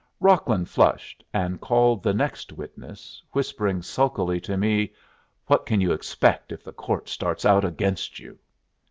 Rocklin flushed, and called the next witness, whispering sulkily to me, "What can you expect if the court starts out against you?"